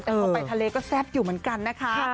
แต่พอไปทะเลก็แซ่บอยู่เหมือนกันนะคะ